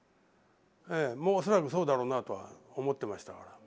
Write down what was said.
ええもう恐らくそうだろうなとは思ってましたから。